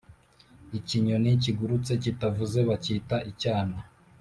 Ikinyoni kigurutse kitavuze bakita icyana